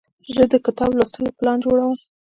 زه د کتاب لوستلو پلان جوړوم.